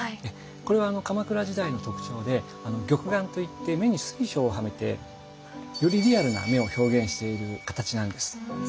これは鎌倉時代の特徴で玉眼と言って目に水晶をはめてよりリアルな目を表現している形なんです。